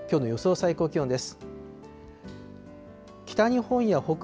最高気温です。